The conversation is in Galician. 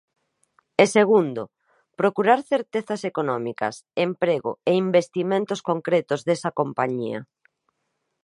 E, segundo, procurar certezas económicas, emprego e investimentos concretos desa compañía.